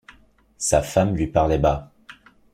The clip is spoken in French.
Sa femme lui parlait bas.